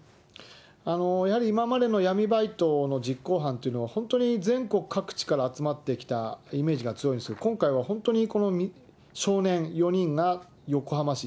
やはり今までの闇バイトの実行犯というのは、本当に全国各地から集まってきたイメージが強いんですが、今回は本当に少年４人が横浜市。